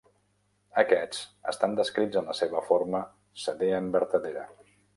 Aquests estan descrits en la seva forma Sadean vertadera.